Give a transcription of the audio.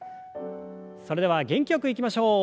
それでは元気よくいきましょう。